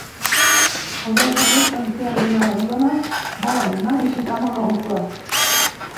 El deu d'agost en Quel i na Mariona volen anar a visitar mon oncle.